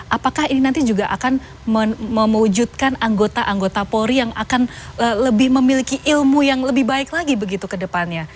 apakah ini nanti juga akan memujudkan anggota anggota polri yang akan lebih memiliki ilmu yang lebih baik lagi begitu ke depannya